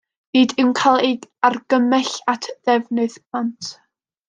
Nid yw'n cael ei argymell at ddefnydd plant.